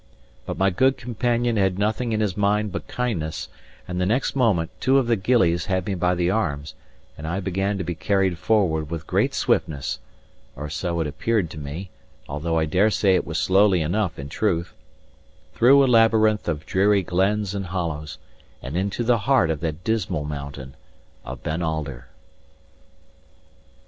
But my good companion had nothing in his mind but kindness; and the next moment, two of the gillies had me by the arms, and I began to be carried forward with great swiftness (or so it appeared to me, although I dare say it was slowly enough in truth), through a labyrinth of dreary glens and hollows and into the heart of that dismal mountain of Ben Alder.